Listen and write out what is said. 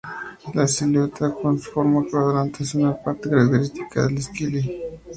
Su silueta con forma de cuadrante es una parte característica del "skyline" de Fráncfort.